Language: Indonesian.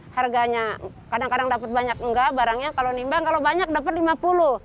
harganya kadang kadang dapat banyak enggak barangnya kalau nimbang kalau banyak dapat rp lima puluh